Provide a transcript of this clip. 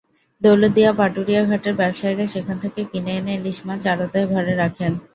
দৌলতদিয়া-পাটুরিয়া ঘাটের ব্যবসায়ীরা সেখান থেকে কিনে এনে ইলিশ মাছ আড়ত ঘরে রাখে।